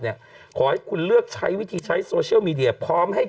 ขอให้คุณเลือกใช้วิธีใช้โซเชียลมีเดียพร้อมให้